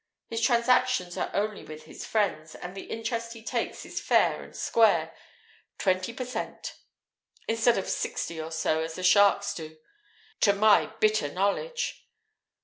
His transactions are only with his friends, and the interest he takes is fair and square: twenty per cent. instead of sixty or so, as the sharks do to my bitter knowledge.